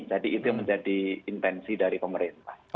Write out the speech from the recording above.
jadi itu menjadi intensi dari pemerintah